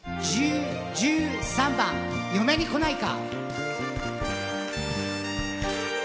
１３番「嫁に来ないか」。